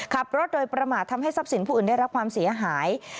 ขับรถโดยประมาททำให้ทรัพย์สินผู้อื่นได้รับความเสียหาย